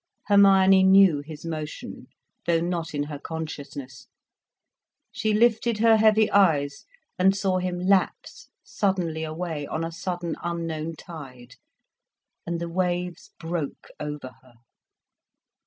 Hermione knew his motion, though not in her consciousness. She lifted her heavy eyes and saw him lapse suddenly away, on a sudden, unknown tide, and the waves broke over her.